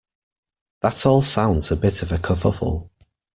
That all sounds a bit of a kerfuffle.